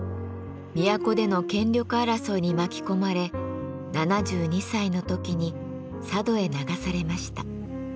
都での権力争いに巻き込まれ７２歳の時に佐渡へ流されました。